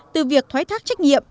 từ việc thoái thác trách nhiệm